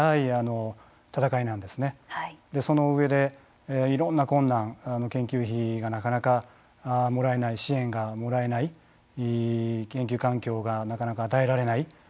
その上でいろんな困難研究費がなかなかもらえない支援がもらえない研究環境がなかなか与えられない